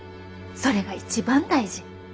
それが一番大事。